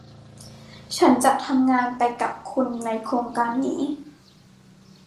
ฉันจะทำงานไปกับคุณในโครงการนี้